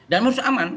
dan harus aman